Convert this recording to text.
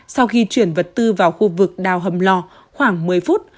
sau khi chuyển vật tư vào khu vực đào hầm lò khoảng một mươi phút